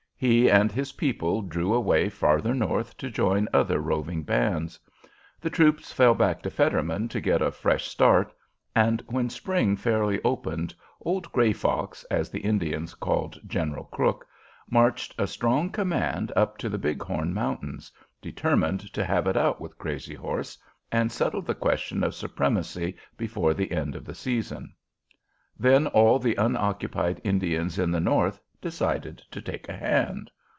He and his people drew away farther north to join other roving bands. The troops fell back to Fetterman to get a fresh start; and when spring fairly opened, old "Gray Fox," as the Indians called General Crook, marched a strong command up to the Big Horn Mountains, determined to have it out with Crazy Horse and settle the question of supremacy before the end of the season. Then all the unoccupied Indians in the North decided to take a hand.